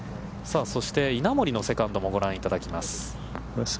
そして、稲森のセカンドもご覧いただきます。